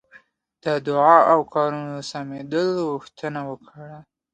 د دعا او کارونو سمېدلو غوښتنه وکړه.